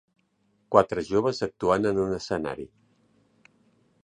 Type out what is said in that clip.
Quatre joves actuant en un escenari.